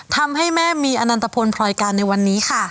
ทำให้แม่มีอนันตพลพลอยการในวันนี้ค่ะ